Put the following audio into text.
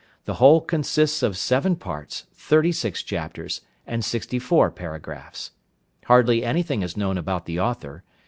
The whole consists of seven parts, thirty six chapters, and sixty four paragraphs. Hardly anything is known about the author.